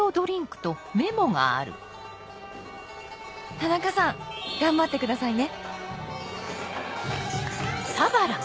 「田中さんがんばってくださいね」。